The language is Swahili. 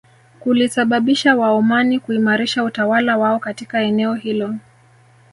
Kulisababisha Waomani kuimarisha utawala wao katika eneo hilo